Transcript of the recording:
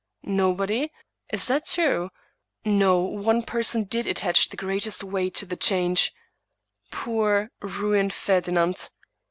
Nobody? Is that true? No; one person did attach the greatest weight to the change — poor, ruined Ferdinand.